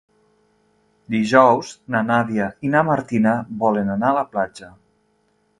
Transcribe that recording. Dijous na Nàdia i na Martina volen anar a la platja.